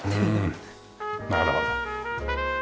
なるほど。